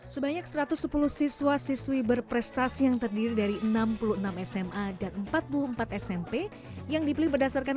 sebanyak satu ratus sepuluh siswa siswi berprestasi yang terdiri dari enam puluh enam sma dan empat puluh empat smp yang dipilih berdasarkan